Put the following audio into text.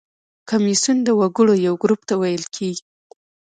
کمیسیون د وګړو یو ګروپ ته ویل کیږي.